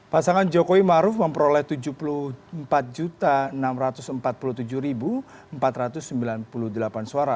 pasangan jokowi maruf memperoleh tujuh puluh empat enam ratus empat puluh tujuh empat ratus sembilan puluh delapan suara